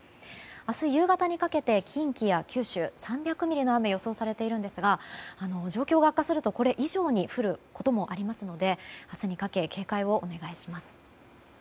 明日夕方にかけて近畿や九州で３００ミリの雨が予想されていますが状況が悪化すると、これ以上に降ることもありますので明日にかけ警戒をお願いします。